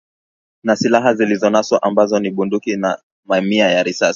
na silaha zilizonaswa ambazo ni bunduki na mamia ya risasi